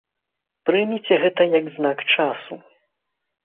Прыміце гэта як знак часу.